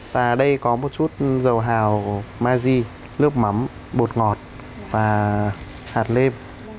và đây có một chút dầu hào maji nước mắm bột ngọt và hạt lêm